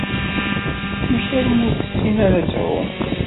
Amek armi ur tessin ara ad tɛum?